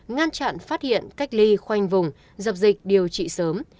ngăn chặn phát hiện cách ly khoanh vùng dập dịch điều trị sớm